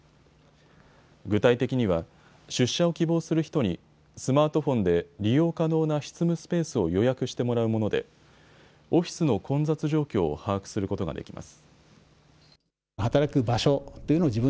具体的には出社を希望する人にスマートフォンで利用可能な執務スペースを予約してもらうものでオフィスの混雑状況を把握することができます。